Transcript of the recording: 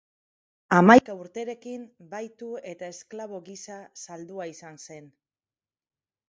Hamaika urterekin bahitu eta esklabo gisa saldua izan zen.